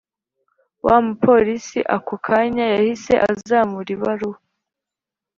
wamupolice akokanya yahise azamura ibaruwa